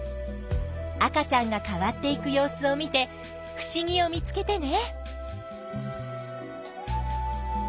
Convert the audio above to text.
赤ちゃんが変わっていく様子を見てふしぎを見つけてね。